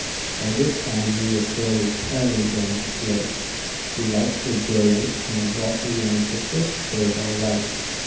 By this time we were fairly tearing down the slope. The lights were brilliant, and I brought her round the first curve all right.